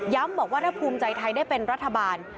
บอกว่าถ้าภูมิใจไทยได้เป็นรัฐบาล